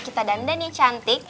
kita dandani cantik